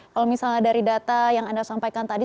kalau misalnya dari data yang anda sampaikan tadi